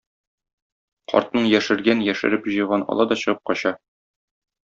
Картның яшергән яшереп җыйган ала да чыгып кача.